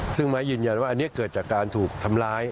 ซึ่งไม้ยืนยันว่าอันนี้เกิดจากการถูกทำร้าย